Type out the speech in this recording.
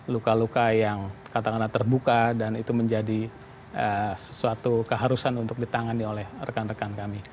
luka luka yang katakanlah terbuka dan itu menjadi sesuatu keharusan untuk ditangani oleh rekan rekan kami